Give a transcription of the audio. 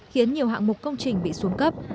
khiến nhiều hạng mục công trình bị xuống cấp